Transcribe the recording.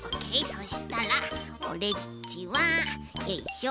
そしたらオレっちはよいしょ。